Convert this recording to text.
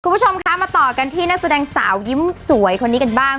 คุณผู้ชมคะมาต่อกันที่นักแสดงสาวยิ้มสวยคนนี้กันบ้าง